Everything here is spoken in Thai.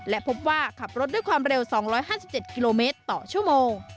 และพบว่าขับรถด้วยความเร็ว๒๕๗กิโลเมตรต่อชั่วโมง